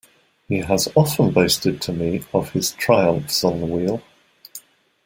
He has often boasted to me of his triumphs on the wheel.